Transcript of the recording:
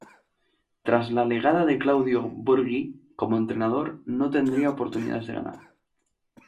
Tras la legada de Claudio Borghi como entrenador, no tendría oportunidades de jugar.